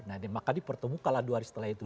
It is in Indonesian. nah makanya dipertemukan dua hari setelah itu